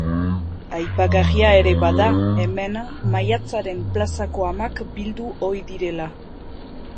Aipagarria ere bada hemen Maiatzaren Plazako Amak bildu ohi direla.